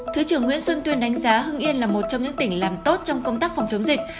thứ trưởng nguyễn xuân tuyên đánh giá hưng yên là một trong những tỉnh làm tốt trong công tác phòng chống dịch